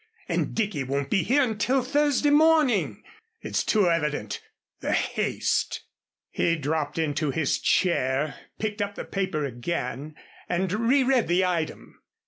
And Dicky won't be here until Thursday morning! It's too evident the haste." He dropped into his chair, picked up the paper again, and re read the item.